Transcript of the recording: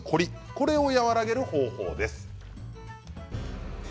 これを和らげる方法です。